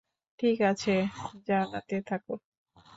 ঠিক আছে, জানাতে থাকো।